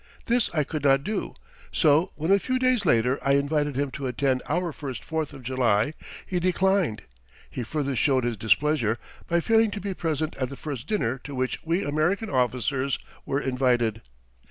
This I could not do, so when a few days later I invited him to attend our first Fourth of July he declined. He further showed his displeasure by failing to be present at the first dinner to which we American officers were invited.